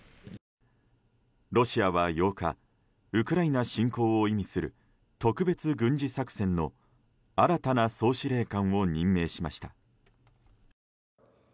ロシアは８日ウクライナ侵攻を意味する特別軍事作戦の新たな総司令官を任命しました。